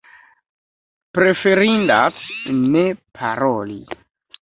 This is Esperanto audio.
Preferindas ne paroli.